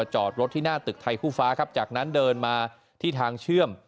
จอดรถที่หน้าตึกไทยคู่ฟ้าครับจากนั้นเดินมาที่ทางเชื่อม